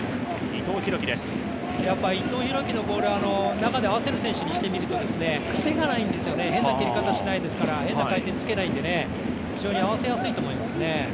伊藤洋輝のボールは中で合わせる選手にしてみると癖がないんですよね、変な蹴り方しないですから変な回転つけないんで非常に合わせやすいと思いますね。